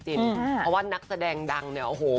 เพราะว่านักแสดงดังเนี่ย